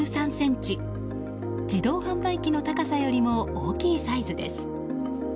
自動販売機の高さよりも大きいサイズです。